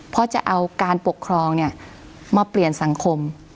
เพราะจะเอาการปกครองมาเปลี่ยนสังคม